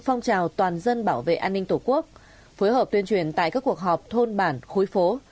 phong trào toàn dân bảo vệ an ninh tổ quốc phối hợp tuyên truyền tại các cuộc họp thôn bản khối phố